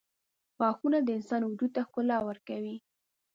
• غاښونه د انسان وجود ته ښکلا ورکوي.